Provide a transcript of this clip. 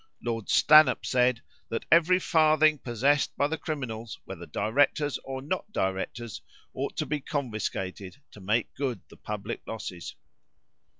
Lord Stanhope said, that every farthing possessed by the criminals, whether directors or not directors, ought to be confiscated, to make good the public losses.